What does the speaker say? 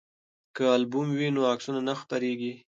که البوم وي نو عکسونه نه خپریږي.